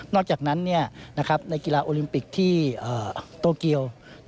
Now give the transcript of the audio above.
อกจากนั้นในกีฬาโอลิมปิกที่โตเกียว